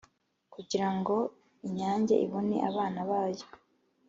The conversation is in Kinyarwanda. kugira ngo inyange ibone abana bayo